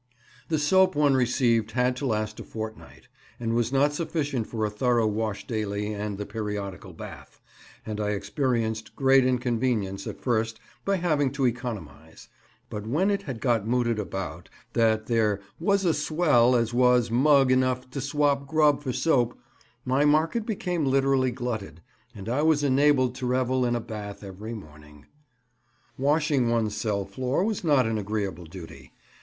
The soap one received had to last a fortnight, and was not sufficient for a thorough wash daily and the periodical bath, and I experienced great inconvenience at first by having to economize; but when it had got mooted about that there "was a swell as was mug enough to swap grub for soap," my market became literally glutted, and I was enabled to revel in a bath every morning. Washing one's cell floor was not an agreeable duty.